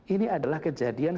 ini adalah kejadian